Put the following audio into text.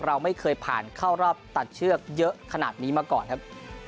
เราไม่เคยผ่านเข้ารอบตัดเชือกเยอะขนาดนี้มาก่อนครับ